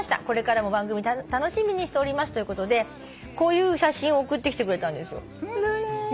これからも番組楽しみにしております」ということでこういう写真を送ってきてくれたんですよ。